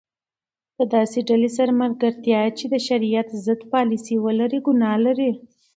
د داسي ډلي سره ملګرتیا چي د شرعیت ضد پالسي ولري؛ ګناه لري.